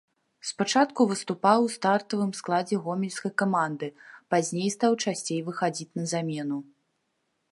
Спачатку выступаў у стартавым складзе гомельскай каманды, пазней стаў часцей выхадзіць на замену.